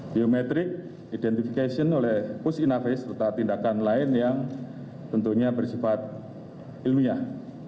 biometrik identifikasi oleh pus inafis serta tindakan lain yang tentunya bersifat ilmiah